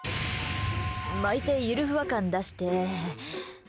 巻いてゆるふわ感、出して。